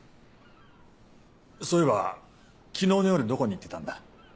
そういえば昨日の夜どこに行ってたんだ？